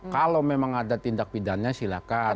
kalau memang ada tindak pidana silakan